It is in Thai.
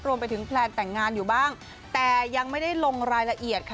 แพลนแต่งงานอยู่บ้างแต่ยังไม่ได้ลงรายละเอียดค่ะ